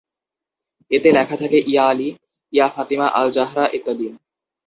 এতে লেখা থাকে "ইয়া আলি", "ইয়া ফাতিমা আল জাহরা" ইত্যাদি।